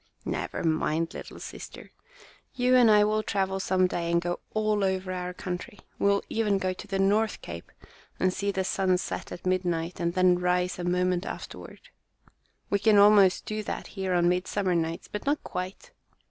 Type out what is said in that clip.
"Never mind, little sister. You and I will travel some day and go all over our country. We will even go to the North Cape and see the sun set at midnight and then rise a moment afterward. We can almost do that here on midsummer nights, but not quite.